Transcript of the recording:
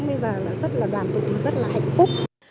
bây giờ là rất là đoàn tụi rất là hạnh phúc